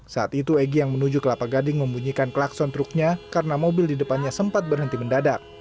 saat itu egy yang menuju kelapa gading membunyikan klakson truknya karena mobil di depannya sempat berhenti mendadak